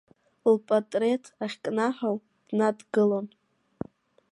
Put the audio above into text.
Лпатреҭ ахькнаҳау днадгылон…